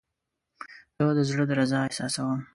زه د زړه درزا احساسوم.